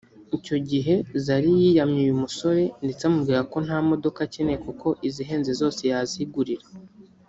Icyo gihe Zari yiyamye uyu musore ndetse amubwira ko nta modoka akeneye kuko ‘izihenze zose yazigurira’